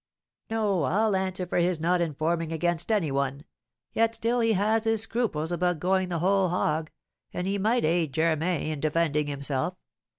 "No, I'll answer for his not informing against any one; yet still he has his scruples about going the whole hog, and he might aid Germain in defending himself.